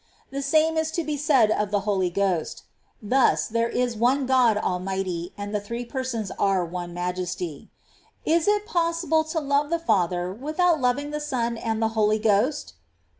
The same is to be said of the Holy Ghost. Thus, there is one God Almighty, and the Three Persons are one Majesty. Is it possible to love the Father without loving the Son and the Holy Ghost